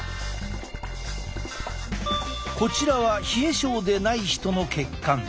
こちらは冷え症でない人の血管。